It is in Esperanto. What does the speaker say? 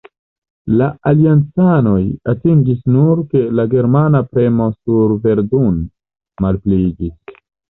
La aliancanoj atingis nur, ke la germana premo sur Verdun malpliiĝis.